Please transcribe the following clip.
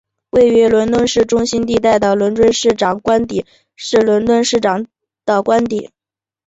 位于伦敦市的中心地带的伦敦市长官邸是伦敦市市长的官邸。